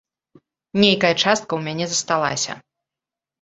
Нейкая частка ў мяне засталася.